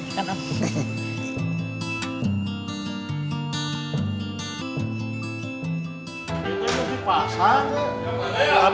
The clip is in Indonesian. terima kasih om